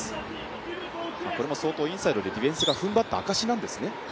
これも相当、インサイドでディフェンスがふんばった証なんですね。